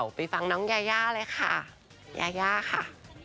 ไปฟังน้องยายาเลยค่ะยาย่าค่ะ